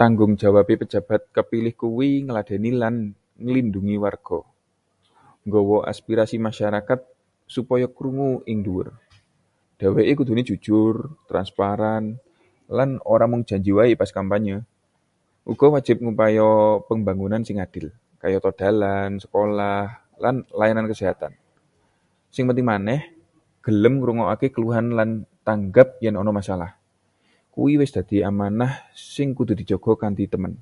Tanggung jawabé pejabat kapilih kuwi ngladeni lan nglindhungi warga, nggawa aspirasi masyarakat supaya krungu ing ndhuwur. Dheweke kudune jujur, transparan, lan ora mung janji wae pas kampanye. Uga wajib ngupaya pembangunan sing adil, kayata dalan, sekolah, lan layanan kesehatan. Sing penting maneh, gelem ngrungokaké keluhan rakyat lan tanggap yen ana masalah. Kuwi wis dadi amanah sing kudu dijaga kanthi temen.